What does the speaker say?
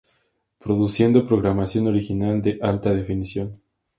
Produciendo programación original en Alta Definición.